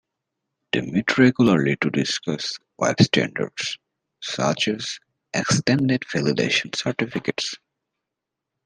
They meet regularly to discuss web standards such as extended validation certificates.